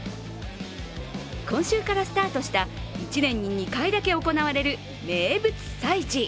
今週からスタートした１年に２回だけ行われる名物催事。